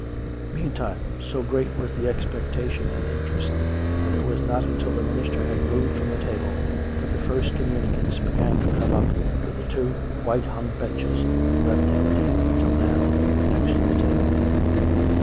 Mean time, so great was the expectation and interest that it was not until the minister had moved from the table that the first communicants began to come up to the two white hung benches, left empty till now, next to the table.